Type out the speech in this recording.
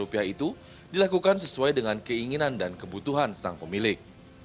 rp sepuluh itu dilakukan sesuai dengan keinginan dan kebutuhan sang pemilik